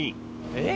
えっ！